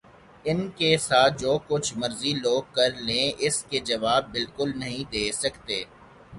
ان کے ساتھ جو کچھ مرضی لوگ کر لیں اس کے جواب بالکل نہیں دے سکتے